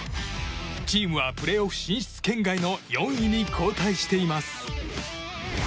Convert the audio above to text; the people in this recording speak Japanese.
チームはプレーオフ進出圏外の４位に後退しています。